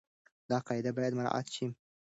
دا قاعده بايد مراعت شي.